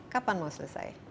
kapan mau selesai